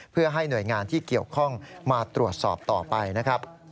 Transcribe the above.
เพื่อให้หน่วยงานที่เกี่ยวข้องมาตรวจสอบต่อไปนะครับ